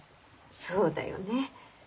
そうだよね。